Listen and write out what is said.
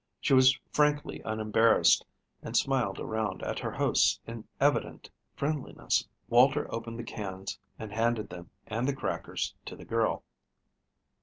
She was frankly unembarrassed and smiled around at her hosts in evident friendliness. Walter opened the cans and handed them and the crackers to the girl.